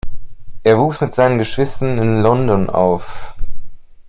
Er wuchs mit seinen Geschwistern in London auf.